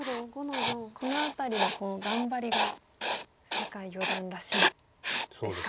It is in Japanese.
この辺りの頑張りが酒井四段らしいですか。